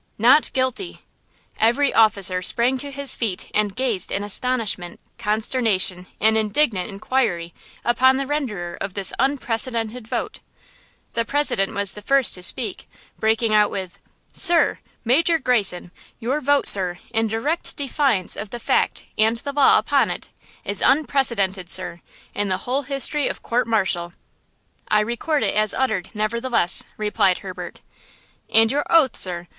"NOT GUILTY!" Every officer sprang to his feet and gazed in astonishment, consternation and indignant inquiry upon the renderer of this unprecedented vote. The President was the first to speak, breaking out with: "Sir! Major Greyson! Your vote, sir, in direct defiance of the fact and the law upon it, is unprecedented, sir, in the whole history of court martial!" "I record it as uttered, nevertheless," replied Herbert. "And your oath, sir!